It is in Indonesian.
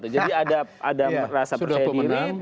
jadi ada rasa percaya diri